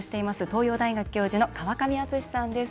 東洋大学教授の川上淳之さんです。